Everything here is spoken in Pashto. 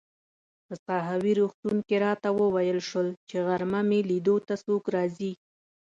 په ساحوي روغتون کې راته وویل شول چي غرمه مې لیدو ته څوک راځي.